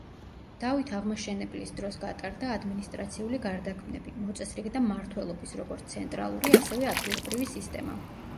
დავით აღმაშენებლის დროს გატარდა ადმინისტრაციული გარდაქმნები, მოწესრიგდა მმართველობის როგორც ცენტრალური, ასევე ადგილობრივი სისტემა.